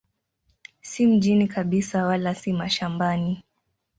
Si mjini kabisa wala si mashambani.